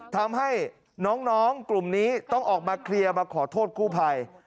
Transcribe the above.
ทำให้น้องกลุ่มนี้ต้องออกมาเคลียร์มาขอโทษกู้ภัย